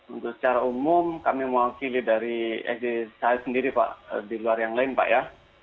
untuk secara umum kami mewakili dari sd saya sendiri pak di luar yang lain pak ya